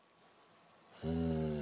うん。